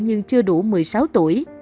nhưng chưa đủ một mươi sáu tuổi